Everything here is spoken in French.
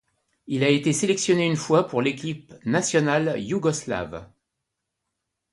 Il a été sélectionné une fois pour l'équipe nationale yougoslave.